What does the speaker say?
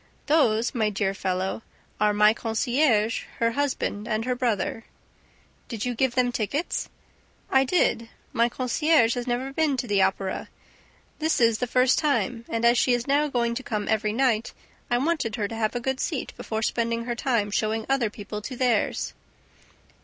"'Those,' my dear fellow, are my concierge, her husband and her brother." "Did you give them their tickets?" "I did ... My concierge had never been to the Opera this is, the first time and, as she is now going to come every night, I wanted her to have a good seat, before spending her time showing other people to theirs."